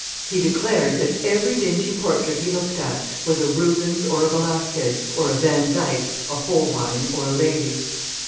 He declared that every dingy portrait he looked at was a Rubens or a Velasquez, or a Vandyke, a Holbein, or a Lely.